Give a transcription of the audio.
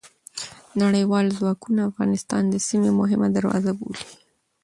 نړیوال ځواکونه افغانستان د سیمې مهمه دروازه بولي.